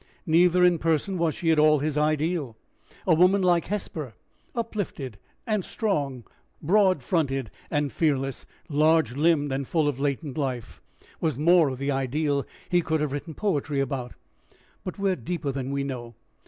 Neither in person was she at all his ideal. A woman like Hesper, uplifted and strong, broad fronted and fearless, large limbed, and full of latent life, was more of the ideal he could have written poetry about. But we are deeper than we know.